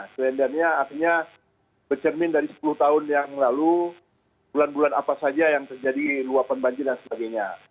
sebenarnya artinya bercermin dari sepuluh tahun yang lalu bulan bulan apa saja yang terjadi luapan banjir dan sebagainya